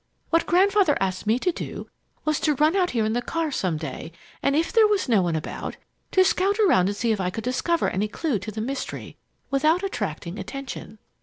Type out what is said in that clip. "What Grandfather asked me to do was to run out here in the car some day, and, if there was no one about, to scout around and see if I could discover any clue to the mystery, without attracting attention.